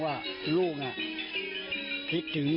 ว่าลูกคิดถึง